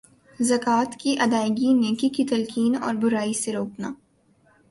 زکوۃ کی ادئیگی نیکی کی تلقین اور برائی سے روکنا